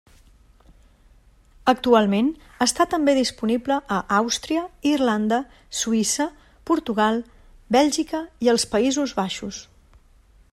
Actualment està també disponible a Àustria, Irlanda, Suïssa, Portugal, Bèlgica i els Països Baixos.